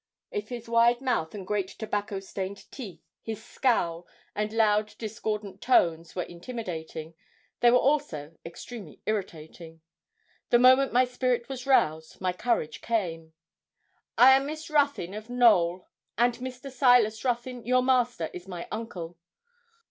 If his wide mouth and great tobacco stained teeth, his scowl, and loud discordant tones were intimidating, they were also extremely irritating. The moment my spirit was roused, my courage came. 'I am Miss Ruthyn of Knowl, and Mr. Silas Ruthyn, your master, is my uncle.'